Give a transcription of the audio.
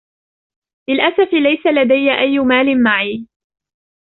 للأسف ليس لدي أي مال معي.